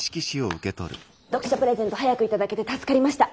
読者プレゼント早く頂けて助かりました。